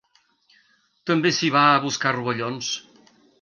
També s'hi va a buscar rovellons.